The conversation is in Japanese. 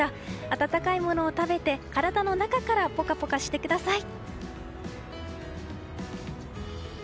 温かいものを食べて体の中からポカポカしてください。